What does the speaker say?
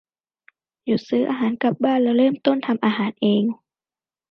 หยุดซื้ออาหารกลับบ้านแล้วเริ่มต้นทำอาหารเอง